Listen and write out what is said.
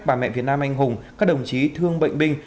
bà mẹ việt nam anh hùng các đồng chí thương bệnh binh